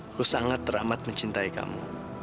aku sangat teramat mencintai kamu